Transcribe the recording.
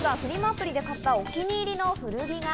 アプリで買ったお気に入りの古着が。